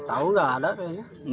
tahu gak ada kayaknya